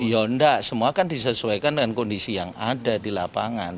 ya enggak semua kan disesuaikan dengan kondisi yang ada di lapangan